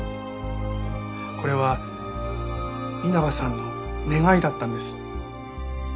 これは稲葉さんの願いだったんです。